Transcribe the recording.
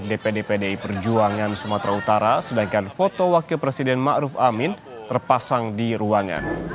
di dpd pd perjuangan sumatera utara sedangkan foto wakil presiden ma ruf amin terpasang di ruangan